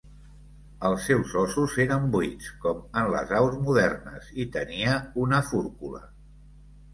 Els seus ossos eren buits, com en les aus modernes, i tenia una fúrcula.